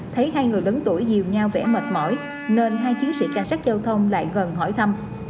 thấy hai người lớn tuổi dìu nhau vẻ mệt mỏi nên hai chiến sĩ cảnh sát giao thông lại gần hỏi thăm